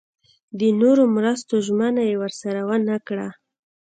د نورو مرستو ژمنه یې ورسره ونه کړه.